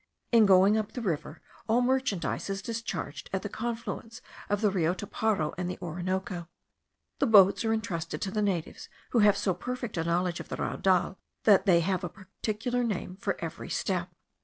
In going up the river, all merchandise is discharged at the confluence of the Rio Toparo and the Orinoco. The boats are entrusted to the natives, who have so perfect a knowledge of the raudal, that they have a particular name for every step.